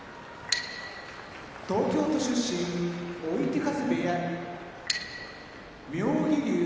東京都出身追手風部屋妙義龍